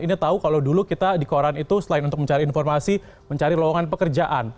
ini tahu kalau dulu kita di koran itu selain untuk mencari informasi mencari lowongan pekerjaan